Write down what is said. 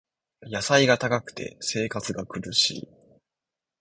野菜が高くて生活が苦しい